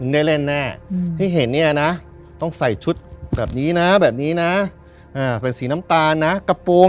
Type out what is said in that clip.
ได้เล่นแน่ที่เห็นเนี่ยนะต้องใส่ชุดแบบนี้นะแบบนี้นะเป็นสีน้ำตาลนะกระโปรง